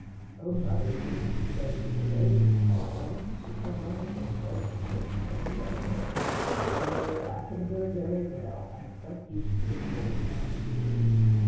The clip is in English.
"Oh, mother, you must stay with the baby what if he should have one of those dreadful fits while you are gone! No, I can go very well; I have got used to the cold now."